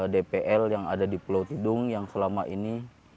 dpl yang ada di pulau tidung yang selama ini